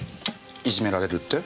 いじめられるって？